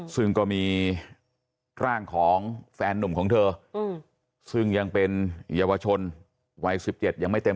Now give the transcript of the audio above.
ซึ่งก็มีร่างของแฟนนุ่มของเธอซึ่งยังเป็นเยาวชนวัย๑๗ยังไม่เต็ม